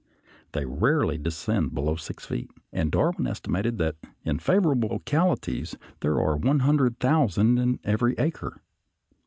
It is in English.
They rarely descend below six feet, and Darwin estimated that in favorable localities there are 100,000 in every acre.